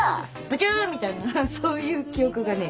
ブチューみたいなそういう記憶がね